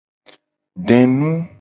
Denu.